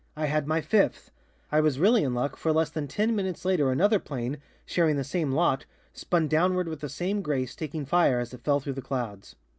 I had my fifth! I was really in luck, for less than ten minutes later another plane, sharing the same lot, spun downward with the same grace, taking fire as it fell through the clouds.